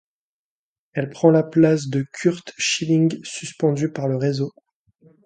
Elle prend la place de Curt Schilling, suspendu par le réseau.